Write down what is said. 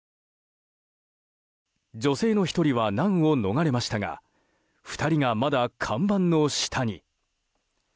女性の１人は難を逃れましたが２人がまだ看板の下に。